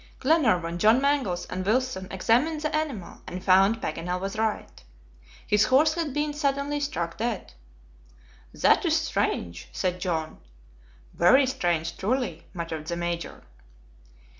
Glenarvan, John Mangles, and Wilson examined the animal; and found Paganel was right. His horse had been suddenly struck dead. "That is strange," said John. "Very strange, truly," muttered the Major.